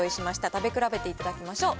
食べ比べていただきましょう。